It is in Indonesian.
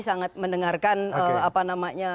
sangat mendengarkan apa namanya